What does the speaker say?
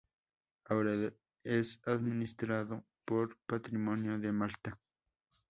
Ahora es administrado por Patrimonio de Malta.